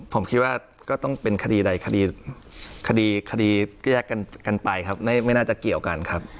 ผมคิดว่าก็ต้องเป็นคดีใดคดีคดีแยกกันไปครับไม่น่าจะเกี่ยวกันครับ